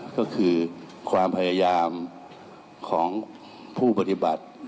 ก็คือความพยายามของผู้ปฏิบัติ